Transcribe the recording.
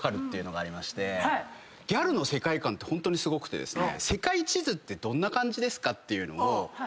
ギャルの世界観ってホントにすごくてですね。